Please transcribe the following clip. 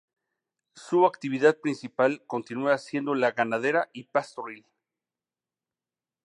Su actividad principal continuaba siendo la ganadera y pastoril.